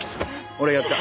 俺がやった。